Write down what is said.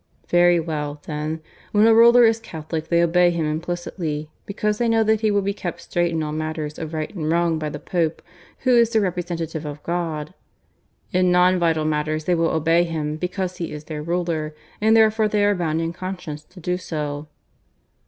Very well, then. When a ruler is Catholic they obey him implicitly, because they know that he will be kept straight in all matters of right and wrong by the Pope, who is the Representative of God. In non vital matters they will obey him because he is their ruler, and therefore they are bound in conscience to do so."